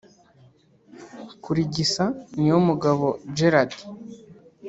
Kurigisa Niyomugabo Gerard